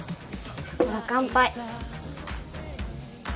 ほら乾杯。